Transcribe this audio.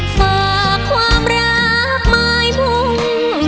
ฝากความรักไม้พุ่ง